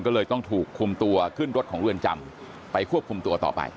ก็เลยต้องถูกคุมตัวขึ้นรถของเรือนจำไปควบคุมตัวต่อไป